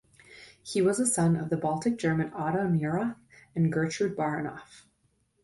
He was a son of the Baltic German Otto Nieroth and Gertrud Baranoff.